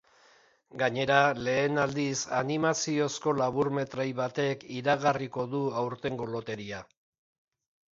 Gainera, lehen aldiz, animaziozko laburmetrai batek iragarriko du aurtengo loteria.